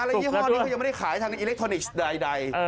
แล้วยี่ห้อนี้ก็ยังไม่ได้ขายทางอิเล็กทรอนิกส์ใด